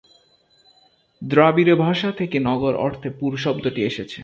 দ্রবিড় ভাষা থেকে নগর অর্থে পুর শব্দটি এসেছে।